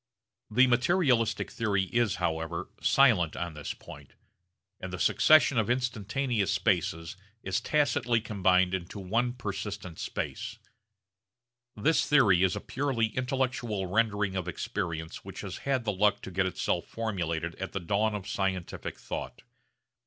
The materialistic theory is however silent on this point; and the succession of instantaneous spaces is tacitly combined into one persistent space. This theory is a purely intellectual rendering of experience which has had the luck to get itself formulated at the dawn of scientific thought.